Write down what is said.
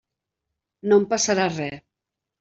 No em passarà res.